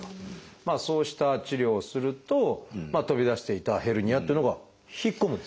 そうした治療をすると飛び出していたヘルニアっていうのが引っ込むんですか？